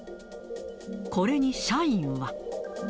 これに社員は。